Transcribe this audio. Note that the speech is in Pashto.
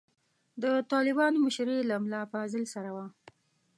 د طالبانو مشري له ملا فاضل سره وه.